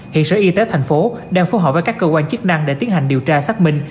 hiện sở y tế tp hcm đang phù hợp với các cơ quan chức năng để tiến hành điều tra xác minh